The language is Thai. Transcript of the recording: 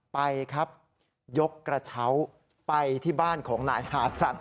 ไปครับยกกระเช้าไปที่บ้านของนายหาสัตว